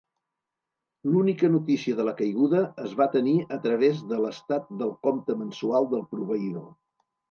L'única notícia de la caiguda es va tenir a través de l'estat del compte mensual del proveïdor.